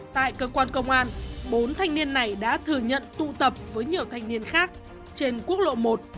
tại cơ quan công an bốn thanh niên này đã thừa nhận tụ tập với nhiều thanh niên khác trên quốc lộ một